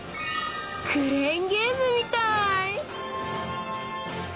クレーンゲームみたい！